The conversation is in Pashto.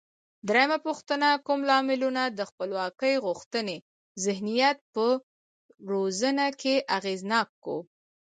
درېمه پوښتنه: کوم لاملونه د خپلواکۍ غوښتنې ذهنیت په روزنه کې اغېزناک و؟